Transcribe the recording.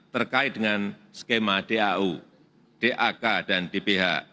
terkait dengan skema dau dak dan dph